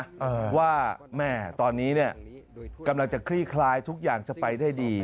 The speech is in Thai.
ว่าแม่ตอนนี้เนี่ยกำลังจะคลี่คลายทุกอย่างจะไปได้ดี